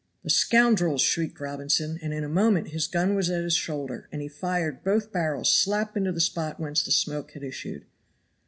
"The scoundrels!" shrieked Robinson. And in a moment his gun was at his shoulder, and he fired both barrels slap into the spot whence the smoke had issued.